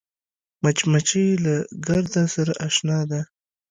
مچمچۍ له ګرده سره اشنا ده